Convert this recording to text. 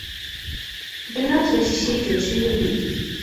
ګیلاس له شیشې جوړ شوی وي.